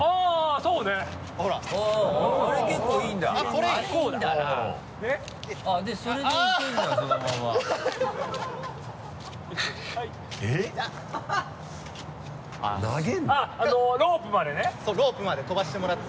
そうロープまで飛ばしてもらって。